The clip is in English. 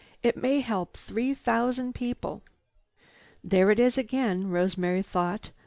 "It may help three thousand people." "There it is again," Rosemary thought.